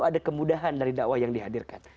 ada kemudahan dari dakwah yang dihadirkan